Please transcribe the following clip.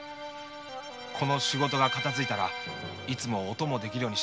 この仕事が片づいたらいつもお供できるようにしてもらえませんか。